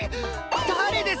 誰ですか？